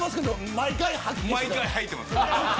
毎回吐いてます。